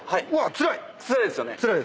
「つらいですよね」